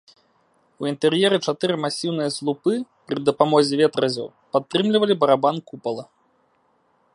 У інтэр'еры чатыры масіўныя слупы пры дапамозе ветразяў падтрымлівалі барабан купала.